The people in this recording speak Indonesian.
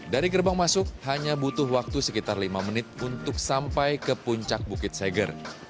dari gerbang masuk hanya butuh waktu sekitar lima menit untuk sampai ke puncak bukit seger